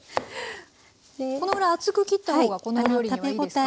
このぐらい厚く切った方がこの料理にはいいですか？